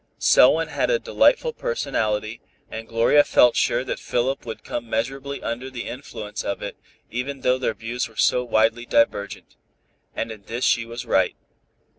Selwyn had a delightful personality, and Gloria felt sure that Philip would come measurably under the influence of it, even though their views were so widely divergent. And in this she was right.